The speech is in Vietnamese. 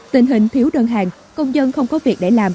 tình hình thiếu đơn hàng công dân không có việc để làm